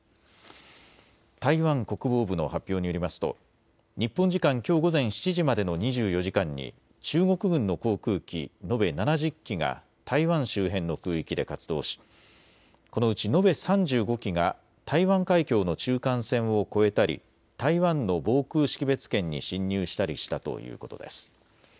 台湾国防部の発表によりますと日本時間きょう午前７時までの２４時間に中国軍の航空機延べ７０機が台湾周辺の空域で活動しこのうち延べ３５機が台湾海峡の中間線を越えたり台湾の防空識別圏に進入したりしたということです。